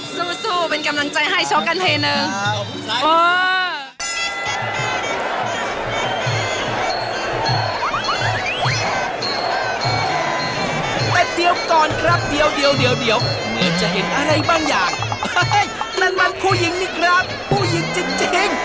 สู้เป็นกำลังใจให้ชกกันทีหนึ่ง